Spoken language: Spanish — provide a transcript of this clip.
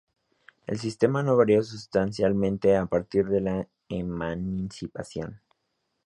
El sistema no varió sustancialmente a partir de la emancipación.